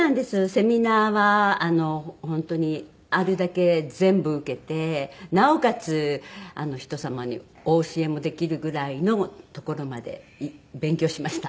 セミナーは本当にあるだけ全部受けてなおかつ人様にお教えもできるぐらいのところまで勉強しました。